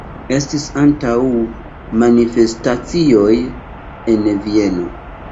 Estis ankaŭ manifestacioj en Vieno.